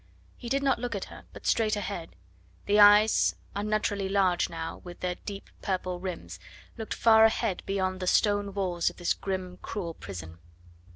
He did not look at her, but straight ahead; the eyes, unnaturally large now, with their deep purple rims, looked far ahead beyond the stone walls of this grim, cruel prison.